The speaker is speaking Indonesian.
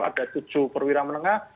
ada tujuh perwira menengah